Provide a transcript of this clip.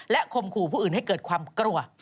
ข่มขู่ผู้อื่นให้เกิดความกลัว